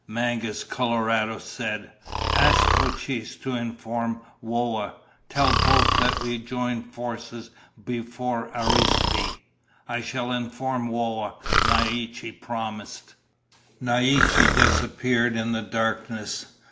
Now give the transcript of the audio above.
Mangus Coloradus said, "Ask Cochise to inform Whoa. Tell both that we join forces before Arispe." "I shall inform Whoa," Naiche promised. Naiche disappeared in the darkness.